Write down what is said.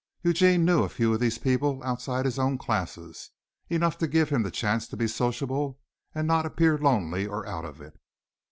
Eugene knew a few of these people outside his own classes, enough to give him the chance to be sociable and not appear lonely or out of it.